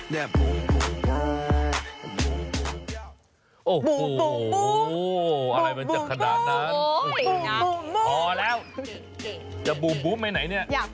อยากไปประกวดทางน้ำปลาหวาน